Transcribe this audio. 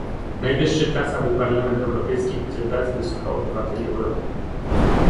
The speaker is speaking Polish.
Najwyższy czas, aby Parlament Europejski chociaż raz wysłuchał obywateli Europy